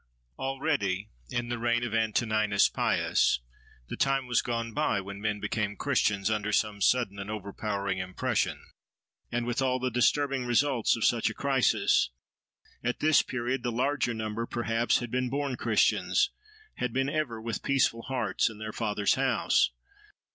Already, in the reign of Antoninus Pius, the time was gone by when men became Christians under some sudden and overpowering impression, and with all the disturbing results of such a crisis. At this period the larger number, perhaps, had been born Christians, had been ever with peaceful hearts in their "Father's house."